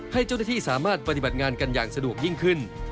ให้เจ้าหน้าที่สามารถปฏิบัติงานกันอย่างสะดวกยิ่งขึ้น